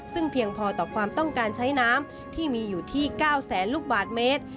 ซึ่งเพียงพอต่อความต้องการใช้น้ำที่มีอยู่ที่๙แสนลูกบาทเมตร